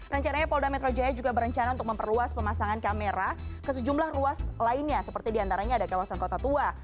rencananya polda metro jaya juga berencana untuk memperluas pemasangan kamera ke sejumlah ruas lainnya seperti diantaranya ada kawasan kota tua